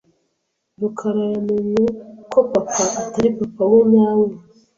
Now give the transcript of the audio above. rukarayamenye ko papa atari papa we nyawe.